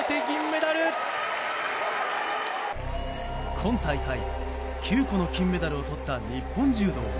今大会９個の金メダルをとった日本柔道。